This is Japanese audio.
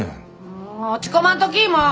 もう落ち込まんときもう。